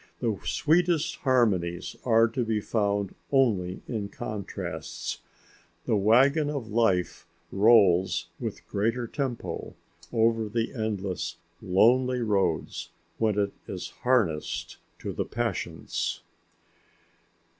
The sweetest harmonies are to be found only in contrasts. The wagon of life rolls with greater tempo over the endless lonely roads when it is harnessed to the passions.